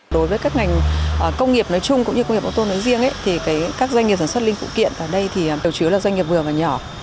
đối với các ngành công nghiệp nói chung cũng như công nghiệp ô tô nói riêng thì các doanh nghiệp sản xuất linh phụ kiện tại đây thì đều chứa là doanh nghiệp vừa và nhỏ